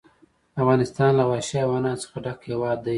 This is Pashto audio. افغانستان له وحشي حیواناتو څخه ډک هېواد دی.